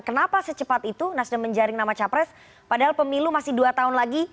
kenapa secepat itu nasdem menjaring nama capres padahal pemilu masih dua tahun lagi